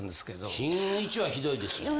金運１はひどいですね。